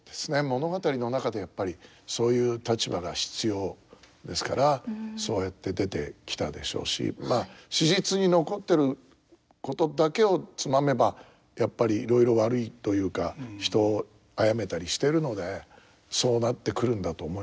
物語の中でやっぱりそういう立場が必要ですからそうやって出てきたでしょうしまあ史実に残ってることだけをつまめばやっぱりいろいろ悪いというか人を殺めたりしてるのでそうなってくるんだと思いますけど。